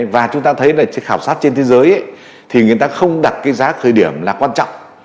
và chúng ta thấy là khảo sát trên thế giới thì người ta không đặt cái giá khởi điểm là quan trọng